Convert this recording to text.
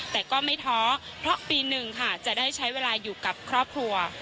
แต่ก็ไม่ท้อเพราะปีหนึ่งค่ะจะได้ใช้เวลาอยู่กับครอบครัว